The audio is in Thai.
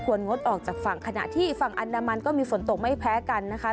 งดออกจากฝั่งขณะที่ฝั่งอันดามันก็มีฝนตกไม่แพ้กันนะคะ